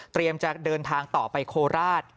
เตรียมจะเดินทางต่อไปโคลราช